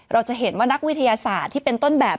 เราจะเห็นว่านักวิทยาศาสตร์ที่เป็นต้นแบบ